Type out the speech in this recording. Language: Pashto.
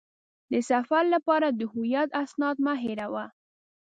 د سفر لپاره د هویت اسناد مه هېروه.